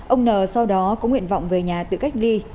ông n sau đó có nguyện vọng về nhà tự cách ly